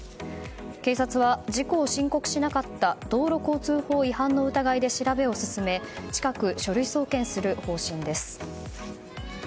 警察は事故を申告しなかった道路交通法違反の疑いで調べを進め近く書類送検する方針です。